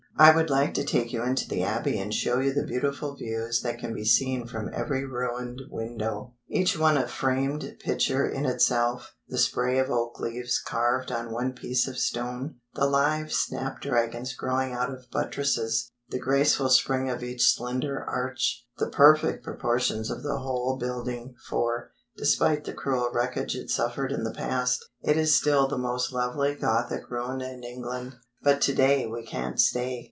I would like to take you into the Abbey and show you the beautiful views that can be seen from every ruined window, each one a framed picture in itself; the spray of oak leaves carved on one piece of stone, the live snapdragons growing out of buttresses, the graceful spring of each slender arch, the perfect proportions of the whole building, for, despite the cruel wreckage it suffered in the past, it is still the most lovely Gothic ruin in England. But to day we can't stay.